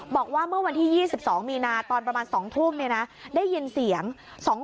บอกว่าเมื่อวันที่๒๒มีนาตอนประมาณ๒ทุ่มได้ยินเสียง